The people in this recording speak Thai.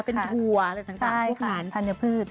เป็นถั่วอะไรต่างพวกนั้นใช่ค่ะทันเนื้อพืช